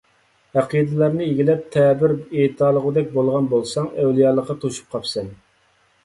ئەقىدىلەرنى ئىگىلەپ، تەبىر ئېيتالىغۇدەك بولغان بولساڭ، ئەۋلىيالىققا توشۇپ قاپسەن.